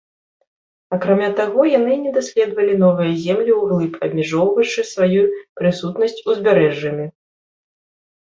Акрамя таго, яны не даследавалі новыя землі ўглыб, абмяжоўваючы сваю прысутнасць узбярэжжамі.